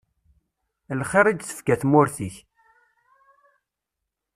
Lxir i d-tefka tmurt-ik.